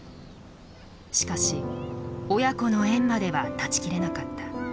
しかし親子の縁までは断ち切れなかった。